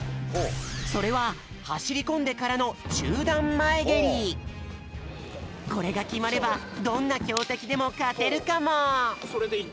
それははしりこんでからのこれがきまればどんなきょうてきでもかてるかも！